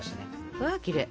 うわきれい！